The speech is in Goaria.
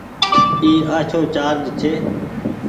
اي آڇهو چآرج ڇي۔